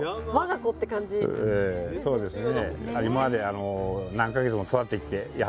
ええそうですね。